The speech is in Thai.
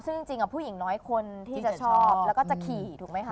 ซึ่งจริงผู้หญิงน้อยคนที่จะชอบแล้วก็จะขี่ถูกไหมคะ